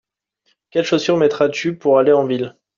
Quelles chaussures mettras-tu pou aller en ville ?